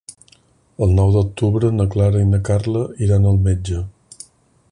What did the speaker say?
El nou d'octubre na Clara i na Carla iran al metge.